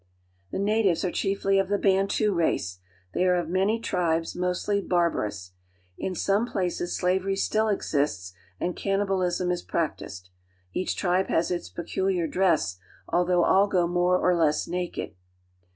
The natives are chiefly of the Bantu race. They are of many tribes, mostly barbarous. In some places slavery stitl exists, and cannibalism is practiced. Each tribe hag its peculiar dress, although all go more or less naked.